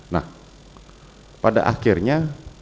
nah pada akhirnya